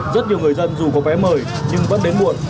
rất nhiều người dân dù có vé mời nhưng vẫn đến muộn